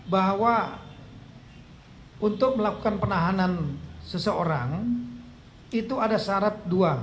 bahwa untuk melakukan penahanan seseorang itu ada syarat dua